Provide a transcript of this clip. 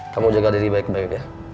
kamu jaga diri baik baik ya